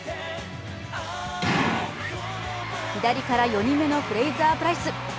左から４人目のフレイザー・プライス。